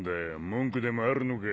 文句でもあるのか？